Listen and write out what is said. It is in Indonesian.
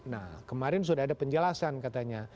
nah kemarin sudah ada penjelasan katanya